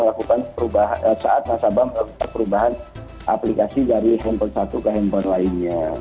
ataupun saat masabah melakukan perubahan aplikasi dari handphone satu ke handphone lainnya